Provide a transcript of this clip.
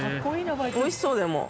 美味しそうでも。